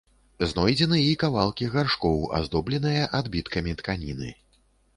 Знойдзены і кавалкі гаршкоў, аздобленыя адбіткамі тканіны.